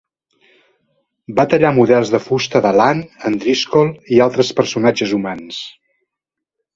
"Va tallar models de fusta de l'Ann, en Driscoll i altres personatges humans."